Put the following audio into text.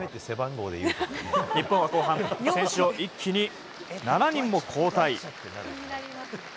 日本は後半、選手を一気に７人も交代。